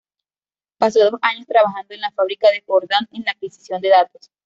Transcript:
Pasó dos años trabajando en la fábrica de Jordan en la adquisición de datos.